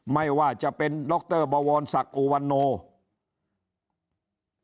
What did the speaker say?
ไม่ว่าจะเป็นดรบวรศักดิ์อุวันโน